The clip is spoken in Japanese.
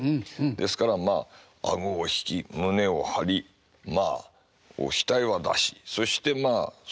ですからまあ顎を引き胸を張りまあ額は出しそしてそうですね